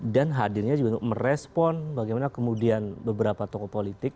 dan hadirnya juga untuk merespon bagaimana kemudian beberapa tokoh politik